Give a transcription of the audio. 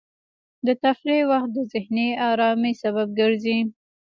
د تفریح وخت د ذهني ارامۍ سبب ګرځي.